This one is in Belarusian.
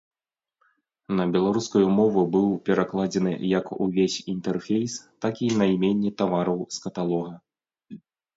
На беларускую мову быў перакладзены як увесь інтэрфейс, так і найменні тавараў з каталога.